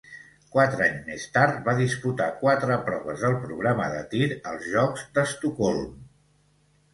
Quatre anys més tard va disputar quatre proves del programa de tir als Jocs d'Estocolm.